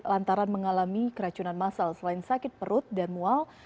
lantaran mengalami keracunan masal selain sakit perut dan mual